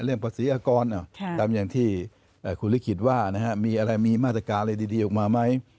ภาษีอากรตามอย่างที่คุณลิขิตว่ามีอะไรมีมาตรการอะไรดีออกมาไหม